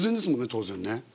当然ね。